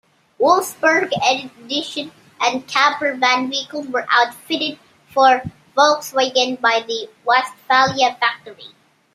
Wolfsburg Edition and camper van vehicles were outfitted for Volkswagen by the Westfalia factory.